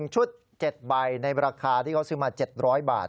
ชุด๗ใบในราคาที่เขาซื้อมา๗๐๐บาท